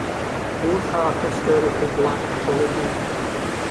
Both are historically black colleges.